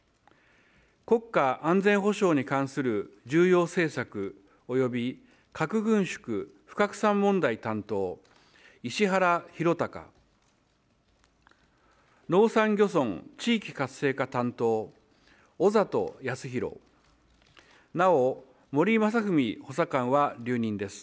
国家安全保障に関する重要政策及び核軍縮・不拡散問題担当、石原宏高、農山漁村地域活性化担当、小里泰弘、なお森昌文補佐官は留任です。